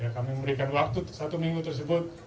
kami memberikan waktu satu minggu tersebut